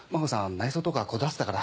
内装とかこだわってたから。